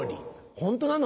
ホントなの？